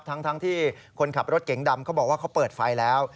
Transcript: ทั้งที่คนขับรถเก๋งดำเขาบอกว่าเขาเปิดไฟแล้ว